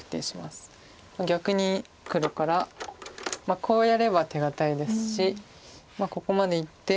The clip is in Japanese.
逆に黒からこうやれば手堅いですしここまでいって。